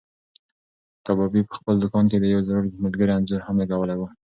کبابي په خپل دوکان کې د یو زوړ ملګري انځور هم لګولی و.